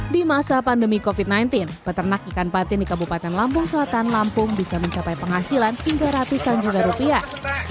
di masa pandemi covid sembilan belas peternak ikan patin di kabupaten lampung selatan lampung bisa mencapai penghasilan hingga ratusan juta rupiah